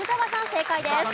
正解です。